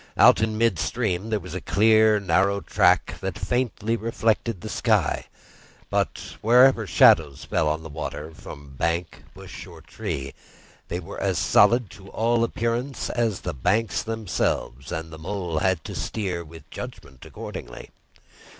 Out in midstream, there was a clear, narrow track that faintly reflected the sky; but wherever shadows fell on the water from bank, bush, or tree, they were as solid to all appearance as the banks themselves, and the Mole had to steer with judgment accordingly.